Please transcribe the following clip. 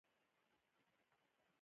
لورینټ کابیلا د موبوټو رژیم را نسکور کړ.